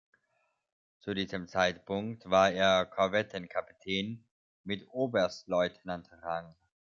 Zu diesem Zeitpunkt war er Korvettenkapitän mit Oberstleutnant–Rang.